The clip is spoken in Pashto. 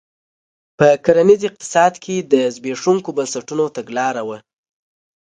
په کرنیز اقتصاد کې د زبېښونکو بنسټونو تګلاره وه.